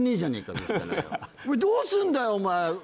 「どうすんだよお前」